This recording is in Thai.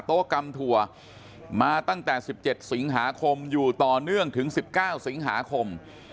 กรรมถั่วมาตั้งแต่๑๗สิงหาคมอยู่ต่อเนื่องถึง๑๙สิงหาคม